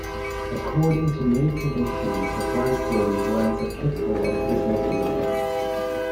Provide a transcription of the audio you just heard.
According to many traditions a bridegroom wears a "kittel" on his wedding day.